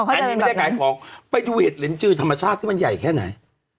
อันนี้ไม่ได้ขายของไปดูเห็ดลิ้นจือธรรมชาติสิมันใหญ่แค่ไหน